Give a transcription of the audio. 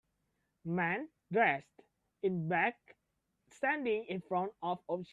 Man dressed in black standing in front of ocean.